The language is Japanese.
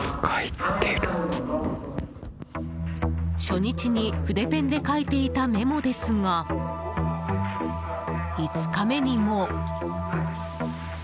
初日に筆ペンで書いていたメモですが５日目にも。